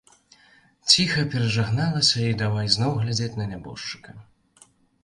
Ціха перажагналася і давай зноў глядзець на нябожчыка.